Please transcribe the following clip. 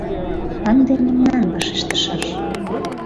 — Ынде мемнан вашештышаш.